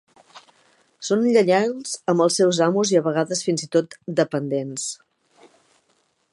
Són lleials amb els seus amos i de vegades, fins i tot, dependents.